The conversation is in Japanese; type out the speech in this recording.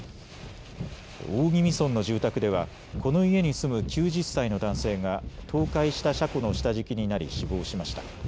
大宜味村の住宅ではこの家に住む９０歳の男性が倒壊した車庫の下敷きになり死亡しました。